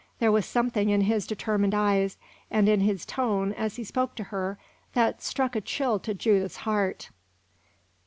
There was something in his determined eye and in his tone as he spoke to her that struck a chill to Judith's heart.